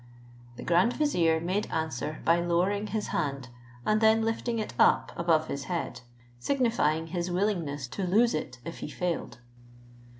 The grand vizier made answer by lowering his hand, and then lifting it up above his head, signifying his willingness to lose it if he failed.